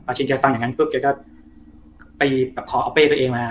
ชินแกฟังอย่างนั้นปุ๊บแกก็ไปแบบขอเอาเป้ตัวเองมา